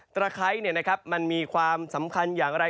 ตะไครเนี่ยนะครับมันมีความสำคัญอย่างอะไร